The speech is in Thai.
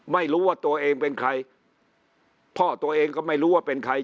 ไม่รู้ว่าตัวเองเป็นใครพ่อตัวเองก็ไม่รู้ว่าเป็นใคร